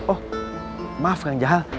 oh maaf kang jahal